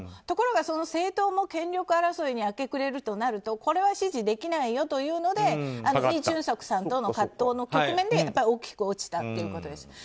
ところがその政党も権力争いに明け暮れるとなるとこれは支持できないよということで、葛藤の局面で大きく落ちたということです。